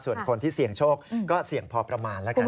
ส่วนคนที่เสี่ยงโชคก็เสี่ยงพอประมาณแล้วกัน